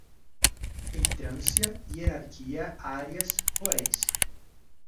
entrância, hierarquia, áreas, forense